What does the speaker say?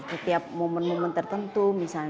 setiap momen momen tertentu